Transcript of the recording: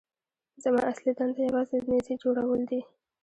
زما اصلي دنده یوازې د نيزې جوړول دي.